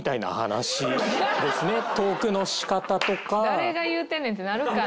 「誰が言うてんねん」ってなるから。